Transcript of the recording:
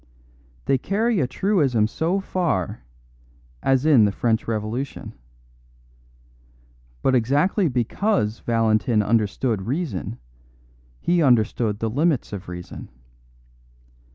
They carry a truism so far as in the French Revolution. But exactly because Valentin understood reason, he understood the limits of reason.